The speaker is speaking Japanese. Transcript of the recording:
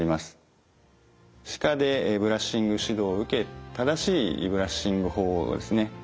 歯科でブラッシング指導を受け正しいブラッシング法をですね